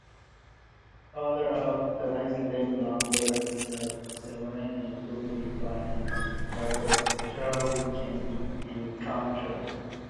Further off the island, larger species including dolphin and hawksbill turtle can be encountered.